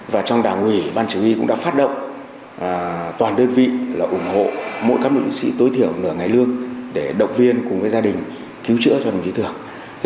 và trong đảng ủy ban chỉ huy cũng đã phát động toàn đơn vị là ủng hộ mỗi các đồng chí tối thiểu nửa ngày lương để động viên cùng với gia đình cứu chữa cho đồng chí thường